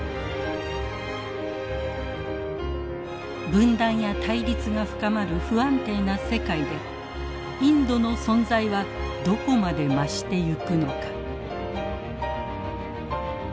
分断や対立が深まる不安定な世界でインドの存在はどこまで増してゆくのか。